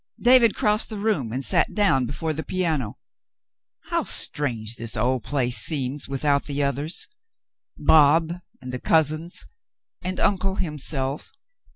David crossed the room and sat down before the piano. "How strange this old place seems without the others — Bob, and the cousins, and uncle himself